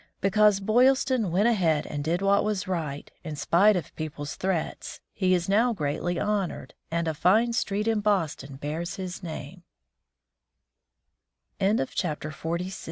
Because Boylston went ahead and did what was right, in spite of people's threats, he is now greatly honored, and a fine street in Boston bears his name. XLVII.